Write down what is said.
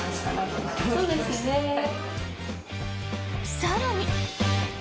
更に。